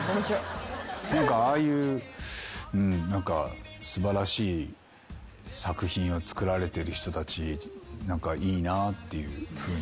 ああいう素晴らしい作品を作られてる人たち何かいいなっていうふうに。